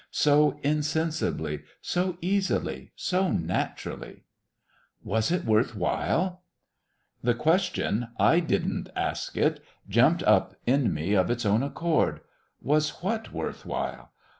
So insensibly, so easily, so naturally! "Was it worth while?" The question I didn't ask it jumped up in me of its own accord. Was "what" worth while?